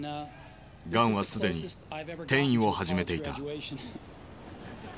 がんはすでに転移を始めていた。